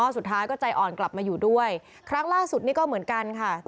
สุดท้ายก็ใจอ่อนกลับมาอยู่ด้วยครั้งล่าสุดนี่ก็เหมือนกันค่ะ